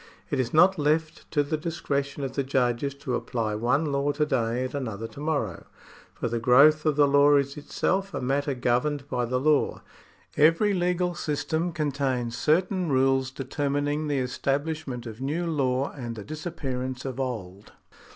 It is not left to the discretion of the judges to apply one law to day and another to morrow, for the growth of the law is itself a matter governed by the law. Every legal system contains certain rules determining the estabhshment of new law and the disappearance of old.